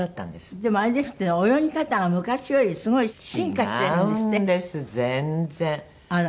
でもあれですってね泳ぎ方が昔よりすごい進化してるんですって？